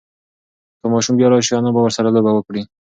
که ماشوم بیا راشي، انا به ورسره لوبه وکړي.